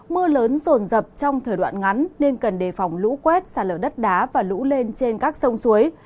mưa lớn rồn rập trong thời đoạn ngắn nên cần đề phòng lũ quét sạt lở đất đá và lũ lên trên các sông suối